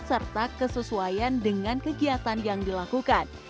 serta kesesuaian dengan kegiatan yang dilakukan